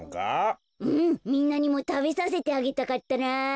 うんみんなにもたべさせてあげたかったなぁ。